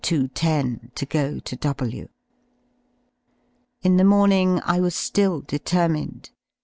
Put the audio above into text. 10 to go to W In the morning I was ^ill determined.